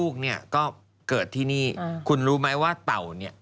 ก็เกิดที่นี่คุณรู้ไหมว่าเตาเนี่ย